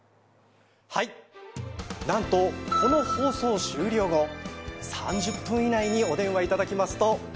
はいなんとこの放送終了後３０分以内にお電話いただきますと。